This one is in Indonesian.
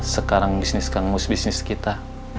sekarang bisniskan mus bisnis kita